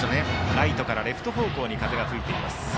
ライトからレフト方向へ風が吹いています。